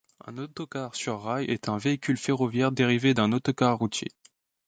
Un autocar sur rail est un véhicule ferroviaire dérivé d'un autocar routier.